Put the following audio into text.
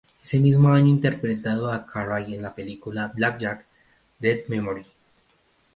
Ese mismo año interpretó a Craig en la película "BlackJack: Dead Memory".